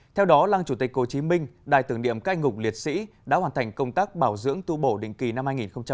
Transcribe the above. theo đó lăng chủ tịch hồ chí minh đài tưởng niệm các anh hùng liệt sĩ đã hoàn thành công tác bảo dưỡng tu bổ định kỳ năm hai nghìn hai mươi